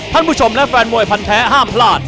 ท่านผู้ชมและแฟนมวยพันแท้ห้ามพลาด